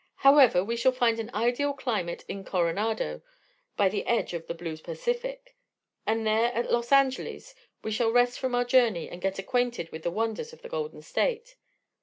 However, we shall find an ideal climate at Coronado, by the edge of the blue Pacific, and there and at Los Angeles we shall rest from our journey and get acquainted with the wonders of the Golden State.